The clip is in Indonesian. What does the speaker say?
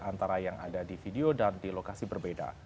antara yang ada di video dan di lokasi berbeda